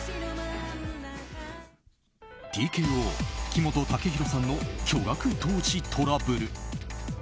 ＴＫＯ木本武宏さんの巨額投資トラブル。